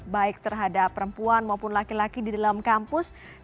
baik terhadap perempuan maupun laki laki di dalam kampus